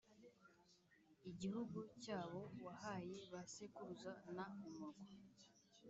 igihugu cyabo wahaye ba sekuruza n umurwa